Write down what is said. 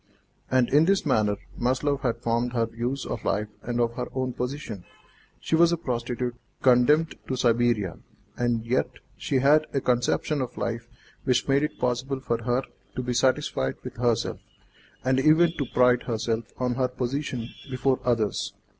And in this manner Maslova had formed her views of life and of her own position. She was a prostitute condemned to Siberia, and yet she had a conception of life which made it possible for her to be satisfied with herself, and even to pride herself on her position before others.